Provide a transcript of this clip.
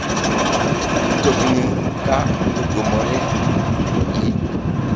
Mtokni ka otuomore, l